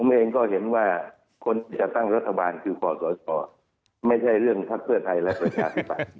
ผมเองก็เห็นว่าคนที่จะตั้งรัฐบาลคือขศไม่ใช่เรื่องทักเกิ้ลไทยและประชาชนิดหน้า